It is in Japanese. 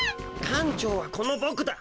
館長はこのボクだ。